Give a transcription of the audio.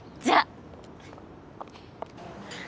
じゃあ。